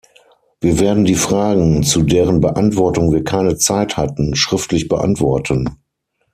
Wir werden die Fragen, zu deren Beantwortung wir keine Zeit hatten, schriftlich beantworten.